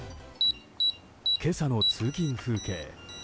今朝の通勤風景。